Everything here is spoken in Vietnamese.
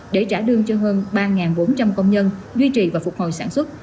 để trả lương cho hơn ba bốn trăm linh công nhân duy trì và phục hồi sản xuất